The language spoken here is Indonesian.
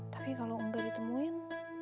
tapi kalo engga ditemuin